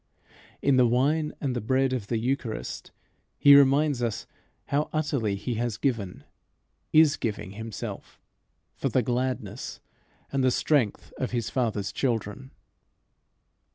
In the wine and the bread of the eucharist, he reminds us how utterly he has given, is giving, himself for the gladness and the strength of his Father's children.